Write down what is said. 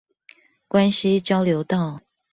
關西交流道